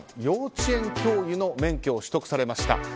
幼稚園教諭の免許を取得されました。